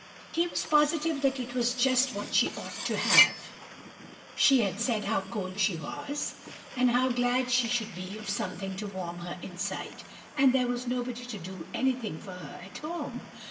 He was positive that that was just what she ought to have! She had said how cold she was, and how glad she should be of something to warm her inside; and there was nobody to do anything for her at home.